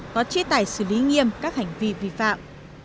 có chế tài xử lý nghiêm các hành vi vi phạm